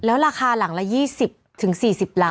แล้วราคาหลังละ๒๐ถึง๔๐หลัง